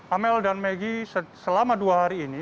amel dan megi selama dua hari ini